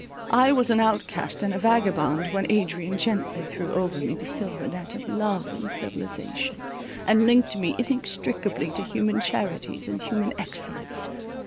I was an outcast and a vagabond, when Adrian gently threw over me the silver net of love and civilization, and linked me inextricably to human charities and human excellence.